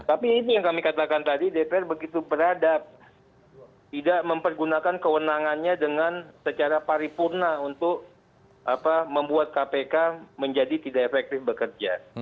tapi ini yang kami katakan tadi dpr begitu beradab tidak mempergunakan kewenangannya dengan secara paripurna untuk membuat kpk menjadi tidak efektif bekerja